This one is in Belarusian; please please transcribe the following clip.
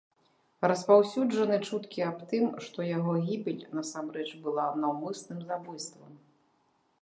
Распаўсюджаны чуткі аб тым, што яго гібель насамрэч была наўмысным забойствам.